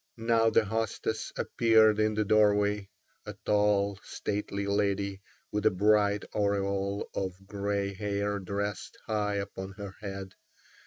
Now the hostess appeared in the doorway, a tall, stately lady with a bright aureole of grey hair dressed high upon her head.